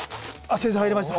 先生入りました。